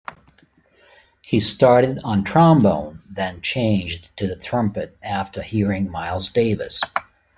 He started on trombone, then changed to the trumpet after hearing Miles Davis.